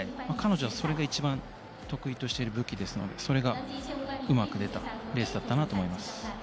彼女はそれが一番得意としている武器ですのでそれがうまく出たレースだったなと思います。